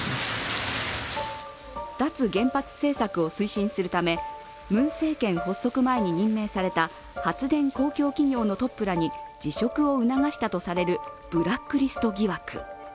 脱原発政策を推進するためムン政権発足前に任命された発電公共企業のトップらに辞職を促したとされるブラックリスト疑惑。